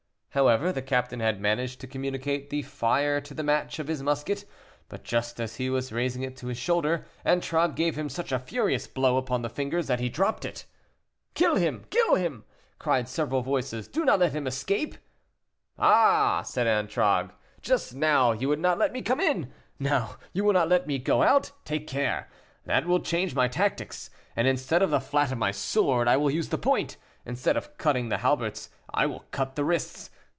However, the captain had managed to communicate the fire to the match of his musket, but just as he was raising it to his shoulder, Antragues gave him such a furious blow upon the fingers that he dropped it. "Kill him! kill him!" cried several voices, "do not let him escape!" "Ah!" said Antragues, "just now you would not let me come in, now you will not let me go out. Take care, that will change my tactics, and instead of the flat of my sword, I will use the point instead of cutting the halberts, I will cut the wrists.